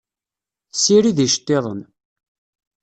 Tessirid iceṭṭiden.